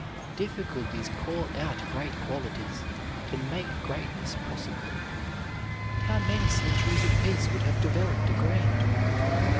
Difficulties call out great qualities, and make greatness possible. How many centuries of peace would have developed a Grant?